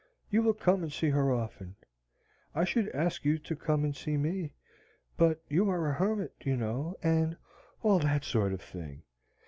You will come and see her often. I should ask you to come and see me, but you are a hermit, you know, and all that sort of thing.